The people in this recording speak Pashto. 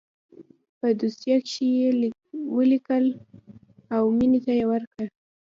په دوسيه کښې يې څه وليکل او مينې ته يې ورکړه.